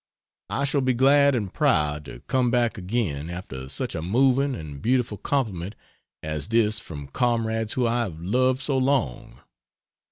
I shall be glad and proud to come back again after such a moving and beautiful compliment as this from comrades whom I have loved so long.